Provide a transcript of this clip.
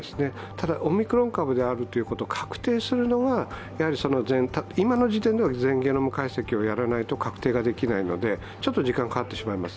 ただ、オミクロン株であるということを確定するのは今の時点では全ゲノム解析をやらないと確定できないのでちょっと時間がかかってしまいます。